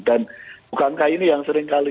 dan bukankah ini yang sering kita tolak dan